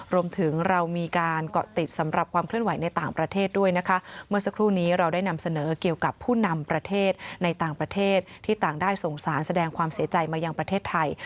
รวมถึงเรามีการเกาะติดสำหรับความเคลื่อนไหวในต่างประเทศด้วยนะคะเมื่อสักครู่นี้เราได้นำเสนอเกี่ยวกับผู้นำประเทศในต่างประเทศที่ต่างได้สงสารแสดงความเสียใจมายังประเทศไทย